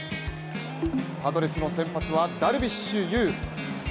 パドレスの先発はダルビッシュ有。